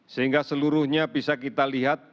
sehingga seluruhnya bisa kita lihat